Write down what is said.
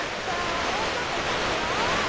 もうちょっと歌ってよ。